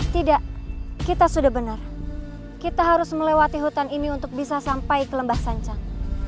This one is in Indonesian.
tidak kita sudah benar kita harus melewati hutan ini untuk bisa sampai ke lembah sancang